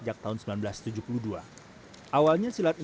dan juga olimpiade